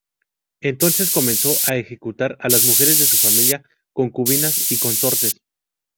Entonces, comenzó a ejecutar a las mujeres de su familia, concubinas y consortes.